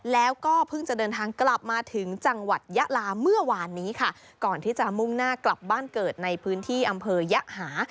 แล้วก็เพิ่งจะเดินทางกลับมาถึงจังหวัดยะลาเมื่อวานนี้ค่ะก่อนที่จะมุ่งหน้ากลับบ้านเกิดในพื้นที่อำเภอยะหา